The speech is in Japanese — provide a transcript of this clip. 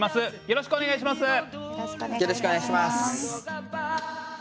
よろしくお願いします。